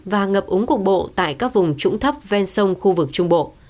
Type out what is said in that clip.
và ngập úng cục bộ tại các vùng trũng thấp ven sông khu vực trung bộ